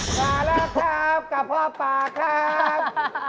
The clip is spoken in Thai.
มาแล้วครับกะเพาะปลาครับ